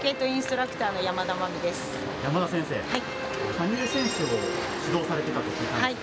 「羽生選手を指導されていたと聞いたんですが」